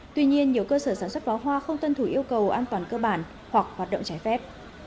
tuy nhiên nhiều cơ sở sản xuất phá hoa không tân thủ yêu cầu an toàn cơ bản hoặc hoạt động trải phép